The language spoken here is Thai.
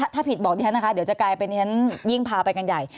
ถ้าผิดบอกดิฉันนะคะเดี๋ยวจะกลายเป็นฉันยิ่งพาไปกันใหญ่